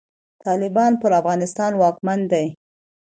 طالبان پر افغانستان واکمن دی.